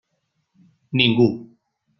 Ningú.